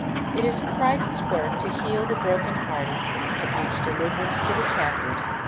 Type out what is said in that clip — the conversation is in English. It is Christ's work "to heal the broken hearted, to preach deliverance to the captives